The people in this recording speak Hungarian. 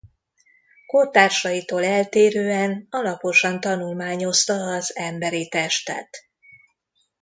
Kortársaitól eltérően alaposan tanulmányozta az emberi testet.